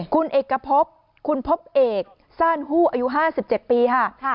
คุณเอกพบคุณพบเอกซ่านฮู้อายุ๕๗ปีค่ะ